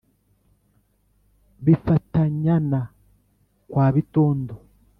b'i fata-nyana kwa bitondo